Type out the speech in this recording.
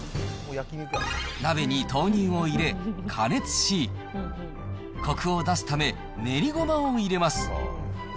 鍋に豆乳を入れ、加熱し、こくを出すため、練りごまを入れます。